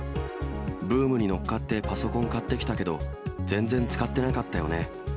ブームに乗っかってパソコン買ってきたけど、全然使ってなかったよね。